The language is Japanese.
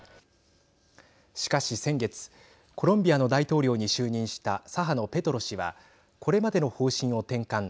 しかし、先月コロンビアの大統領に就任した左派のペトロ氏はこれまでの方針を転換。